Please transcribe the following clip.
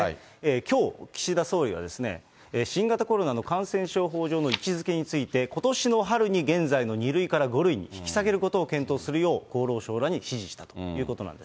きょう、岸田総理は新型コロナの感染症法上の位置づけについて、ことしの春に現在の２類から５類に引き下げることを検討するよう、厚労相らに指示したということなんです。